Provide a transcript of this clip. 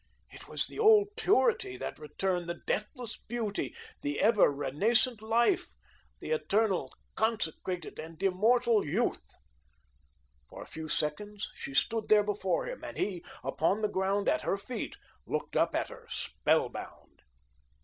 It was the old purity that returned, the deathless beauty, the ever renascent life, the eternal consecrated and immortal youth. For a few seconds, she stood there before him, and he, upon the ground at her feet, looked up at her, spellbound.